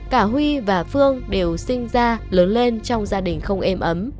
cả huy và phương đều sinh ra lớn lên trong gia đình không êm ấm